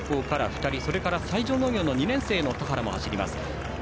それから西条農業の２年生、田原も走ります。